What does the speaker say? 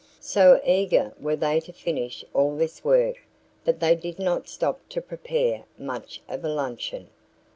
So eager were they to finish all this work that they did not stop to prepare much of a luncheon.